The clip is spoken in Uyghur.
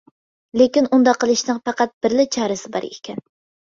لېكىن ئۇنداق قىلىشنىڭ پەقەت بىرلا چارىسى بار ئىكەن.